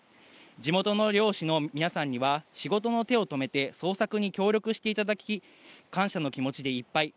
地元の漁師の皆さんには、仕事の手を止めて捜索に協力していただき、感謝の気持ちでいっぱい。